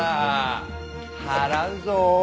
払うぞ！